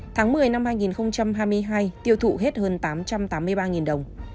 tháng một mươi năm hai nghìn hai mươi hai tiêu thụ hết hơn tám trăm tám mươi ba đồng